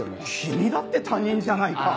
君だって他人じゃないか。